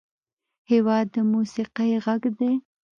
هېواد د موسیقۍ غږ دی.